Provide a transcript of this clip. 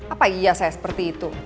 apa iya saya seperti itu